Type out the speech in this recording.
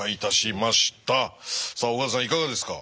さあ岡田さんいかがですか？